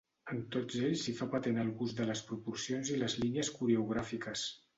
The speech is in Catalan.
En tots ells s'hi fa patent el gust de les proporcions i les línies coreogràfiques.